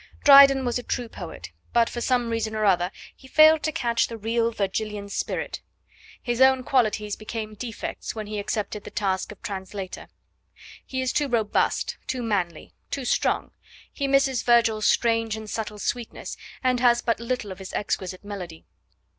Dryden was a true poet, but, for some reason or other, he failed to catch the real Virgilian spirit. His own qualities became defects when he accepted the task of a translator. He is too robust, too manly, too strong. He misses Virgil's strange and subtle sweetness and has but little of his exquisite melody.